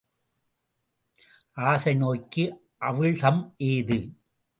ஆசை நோய்க்கு அவிழ்தம் ஏது?